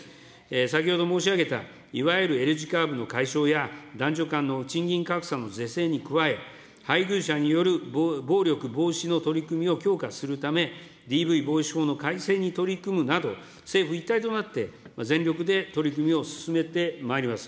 先ほど申し上げた、いわゆるＬ字カーブの解消や、男女間の賃金格差の是正に加え、配偶者による暴力防止の取り組みを強化するため、ＤＶ防止法の改正に取り組むなど、政府一体となって、全力で取り組みを進めてまいります。